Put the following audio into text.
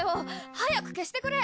早く消してくれ！